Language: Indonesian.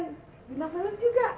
bintang film juga